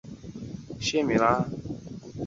唐克斯特都市自治市以铁路和赛马闻名。